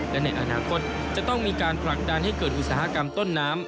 และในอนาคตจะต้องมีการผลักดันให้เกิดอุตสาหกรรมต้นน้ำ